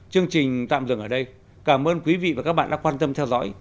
chương trình tạm dừng ở đây cảm ơn quý vị và các bạn đã quan tâm theo dõi